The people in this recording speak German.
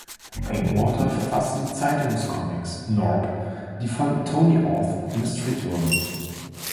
Pinkwater verfasste die Zeitungscomics „Norb“, die von Tony Auth illustriert wurden.